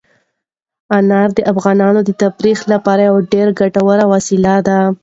انار د افغانانو د تفریح لپاره یوه ډېره ګټوره وسیله ده.